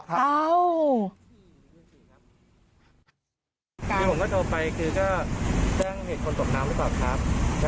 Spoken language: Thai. พี่ผมก็โทรไปคือก็เตรียมเห็นคนตกน้ำดีกว่าครับ